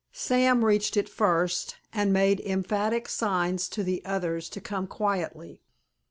Sam reached it first, and made emphatic signs to the others to come quietly.